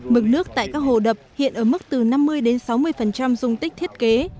mực nước tại các hồ đập hiện ở mức từ năm mươi sáu mươi dùng tích thiết kế